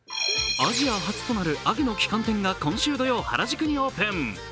アジア発となるＵＧＧの旗艦店が今週土曜、原宿にオープン。